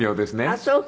あっそうか。